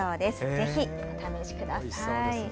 ぜひ、お試しください。